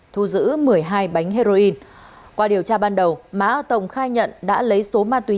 thu giữ một mươi hai bánh heroin qua điều tra ban đầu má a tổng khai nhận đã lấy số ma túy